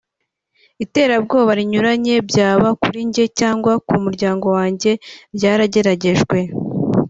iterabwoba rinyuranye byaba kuri njye cyangwa ku muryango wanjye ryarageragejwe